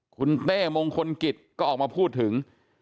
คุณเต้มงคลกิจก็ออกมาพูดถึง